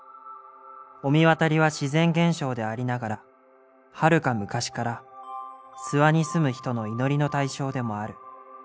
御神渡りは自然現象でありながらはるか昔から諏訪に住む人の祈りの対象でもある。